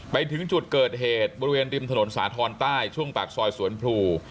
ไปถึงจุดเกิดเหตุบริเวณริมถนนสาธรณ์ใต้ช่วงปากซอยสวนพลู